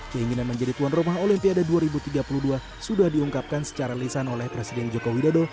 keinginan menjadi tuan rumah olimpiade dua ribu tiga puluh dua sudah diungkapkan secara lisan oleh presiden joko widodo